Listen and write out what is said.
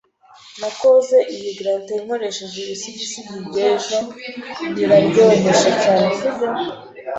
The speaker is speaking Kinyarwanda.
Nakoze iyi gratin nkoresheje ibisigisigi by'ejo. Biraryoshe cyane, sibyo?